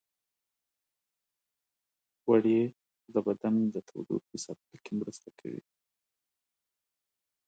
غوړې د بدن د تودوخې ساتلو کې مرسته کوي.